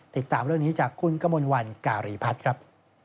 ติดตามเรื่องนี้จากคุณกมลวันการีพัฒน์ครับ